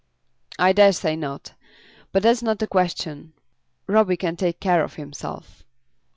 "I dare say not. But that's not the question. Roby can take care of himself."